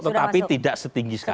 tetapi tidak setinggi sekarang